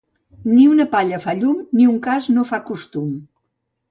Ni una palla fa llum ni un cas no fa costum.